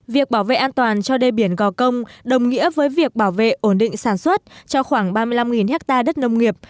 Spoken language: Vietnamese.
việc bảo vệ an toàn cho đê biển gò công đồng nghĩa với việc bảo vệ ổn định sản xuất cho khoảng ba mươi năm ha đất nông nghiệp